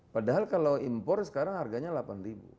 padahal kalau impor sekarang harganya rp delapan